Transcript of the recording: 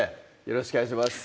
よろしくお願いします